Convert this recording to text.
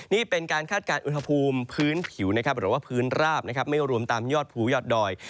นี่เป็นการคาดการณ์อุณหภูมิพื้นผิวนะครับหรือว่าพื้นราบนะครับไม่รวมตามยอดภูยอดดอย